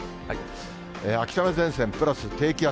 秋雨前線プラス低気圧。